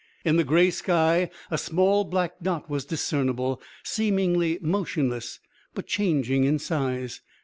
In the grey sky a small black dot was discernible, seemingly motionless, but changing in size.